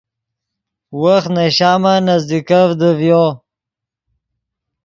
وخت نے شامن نزدیکڤدے ڤیو